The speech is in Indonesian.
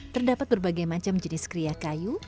terdapat berbagai macam jenis kria kayu